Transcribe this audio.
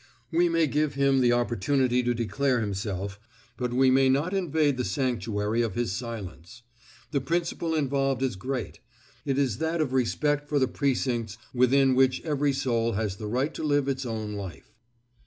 We may give him the opportunity to declare himself, but we may not invade the sanctuary of his silence. The principle involved is great; it is that of respect for the precincts within which every soul has the right to live its own life.